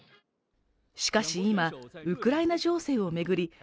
しかし今、ウクライナ情勢を巡り